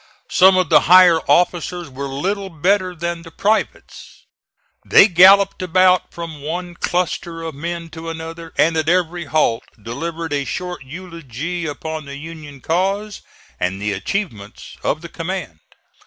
Some of the higher officers were little better than the privates. They galloped about from one cluster of men to another and at every halt delivered a short eulogy upon the Union cause and the achievements of the command.